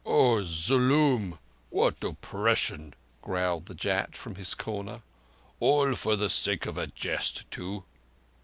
"Oh, zoolum! What oppression!" growled the Jat from his corner. "All for the sake of a jest too."